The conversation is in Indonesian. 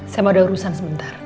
saya mau ada urusan sebentar